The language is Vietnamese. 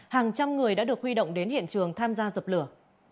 hàng trăm người đã được huy động đến hiện trường tham gia dập lửa